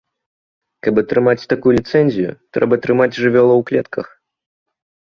Каб атрымаць такую ліцэнзію трэба трымаць жывёлаў у клетках.